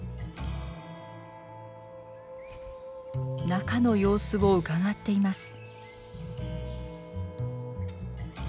中の様子をうかがっています。